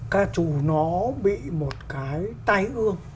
ca chủ nó bị một cái tay ươm